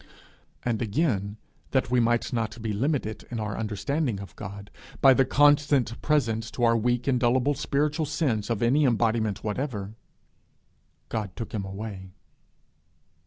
And again, that we might not be limited in our understanding of God by the constant presence to our weak and dullable spiritual sense of any embodiment whatever, he took him away.